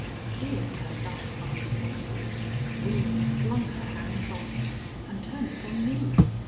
Seeing her thus unresponsive, William flung her hand from him and turned upon me.